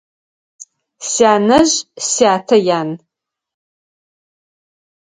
Сянэжъ сятэ ян.